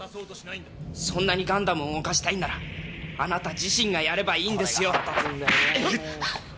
そんなにガンダムを動かしたいならあなた自身がやればいいんですよ！